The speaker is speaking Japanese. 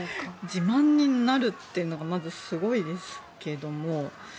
自慢になるというのがまずすごいですけど。